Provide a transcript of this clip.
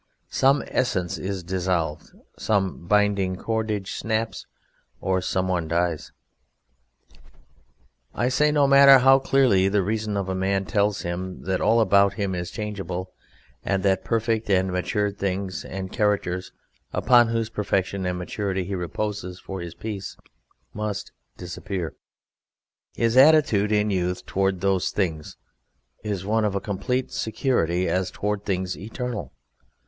Some essence is dissolved, some binding cordage snaps, or some one dies. I say no matter how clearly the reason of a man tells him that all about him is changeable, and that perfect and matured things and characters upon whose perfection and maturity he reposes for his peace must disappear, his attitude in youth towards those things is one of a complete security as towards things eternal.